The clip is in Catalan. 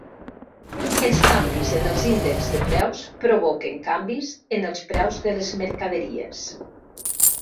Els canvis en els índexs de preus provoquen canvis en els preus de les mercaderies.